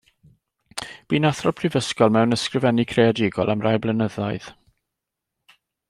Bu'n athro prifysgol mewn ysgrifennu creadigol am rai blynyddoedd.